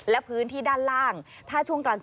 และพื้นที่ด้านล่าง